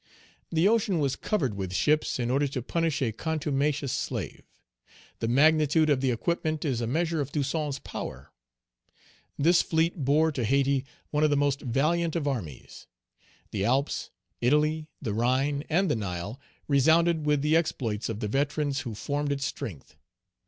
The ocean was covered with ships in order to punish a contumacious slave! The magnitude of the equipment is a measure of Toussaint's power. This fleet bore to Hayti one of the most valiant of armies. The Alps, Italy, the Rhine, and the Nile resounded with the exploits of the veterans who formed its strength.